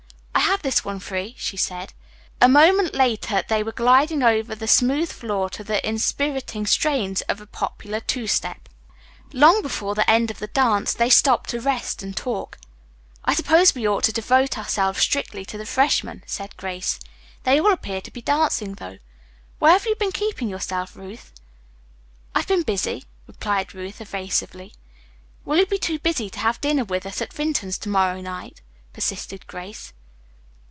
"I have this one free," she said. A moment later they were gliding over the smooth floor to the inspiriting strains of a popular two step. Long before the end of the dance they stopped to rest and talk. "I suppose we ought to devote ourselves strictly to the freshmen," said Grace. "They all appear to be dancing, though. Where have you been keeping yourself, Ruth?" "I've been busy," replied Ruth evasively. "Will you be too busy to have dinner with us at Vinton's to morrow night?" persisted Grace.